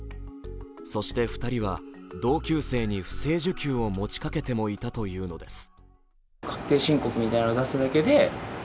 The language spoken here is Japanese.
そして２人は、同級生に不正受給を持ちかけてもいたというのです。